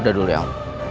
udah dulu ya om